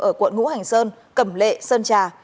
ở quận ngũ hành sơn cẩm lệ sơn trà